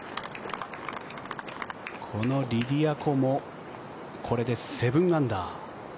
このリディア・コもこれで７アンダー。